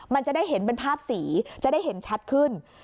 มันจะได้เห็นเป็นภาพสีจะได้เห็นชัดขึ้น